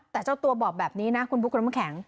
แต่เจ้าตัวบอกแบบนี้นะคุณบุ๊คคุณน้ำแข็ง